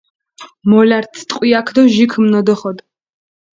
მოლართ ტყვიაქ დო ჟი ქჷმნოდოხოდ.